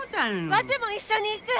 ワテも一緒に行く！